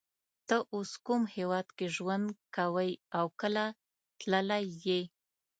ته اوس کوم هیواد کی ژوند کوی او کله تللی یی